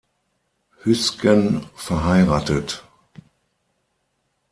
Hüsgen verheiratet.